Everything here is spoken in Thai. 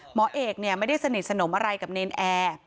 หมอเอกไม่ได้สนิทสนมอะไรกับเนรนแอร์